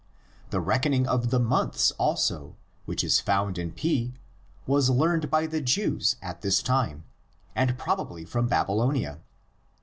The reckoning of the months also, which is found in P, was learned by the Jews at this time, and probably from Babylonia.